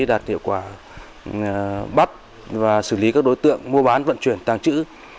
đạt hiệu quả bắt và xử lý các đối tượng mua bán vận chuyển tàng trữ